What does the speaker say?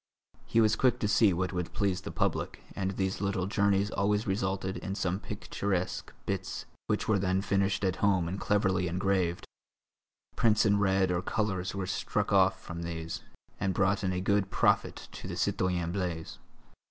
He was quick to see what would please the public and these little journeys always resulted in some picturesque bits which were then finished at home and cleverly engraved; prints in red or colours were struck off from these, and brought in a good profit to the citoyen Blaise.